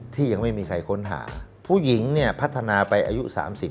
ที่ยังไม่มีใครค้นหาผู้หญิงเนี่ยพัฒนาไปอายุ๓๐